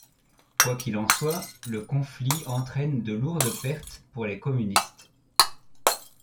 Quoi qu'il en soit, le conflit entraîne de lourdes pertes pour les communistes.